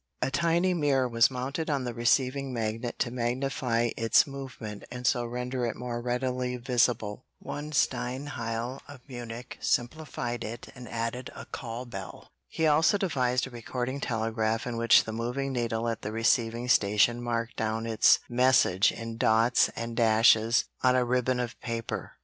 A tiny mirror was mounted on the receiving magnet to magnify its movement and so render it more readily visible. One Steinheil, of Munich, simplified it and added a call bell. He also devised a recording telegraph in which the moving needle at the receiving station marked down its message in dots and dashes on a ribbon of paper.